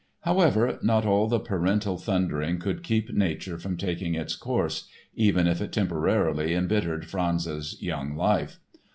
However, not all the parental thundering could keep nature from taking its course, even if it temporarily embittered Franz's young life.